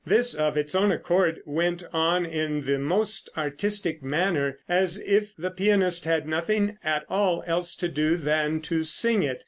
This, of its own accord, went on in the most artistic manner, as if the pianist had nothing at all else to do than to sing it.